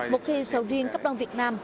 một khi sầu riêng cấp đông việt nam